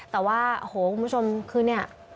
แต่ว่าโอ้โหคุณผู้ชมคือเนี่ย